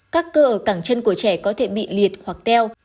các cơ ở cảng chân của trẻ có thể bị liệt hoặc teo